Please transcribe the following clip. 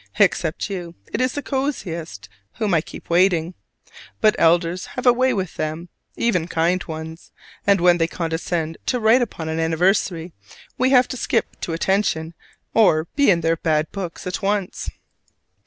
Except you, it is the coziest whom I keep waiting; but elders have a way with them even kind ones: and when they condescend to write upon an anniversary, we have to skip to attention or be in their bad books at once.